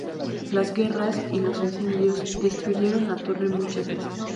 Las guerras y los incendios destruyeron la torre muchas veces.